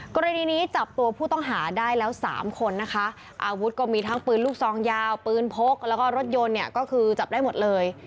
กรณีนี้จับตัวผู้ต้องหาได้แล้วสามคนนะคะอาวุธก็มีทั้งปืนลูกซองยาวปืนพกแล้วก็รถยนต์เนี่ยก็คือจับได้หมดเลย